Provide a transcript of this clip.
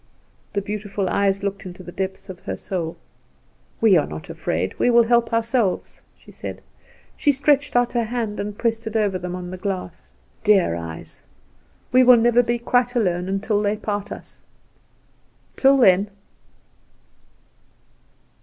The beautiful eyes looked into the depths of her soul. "We are not afraid; we will help ourselves!" she said. She stretched out her hand and pressed it over them on the glass. "Dear eyes! we will never be quite alone till they part us till then!"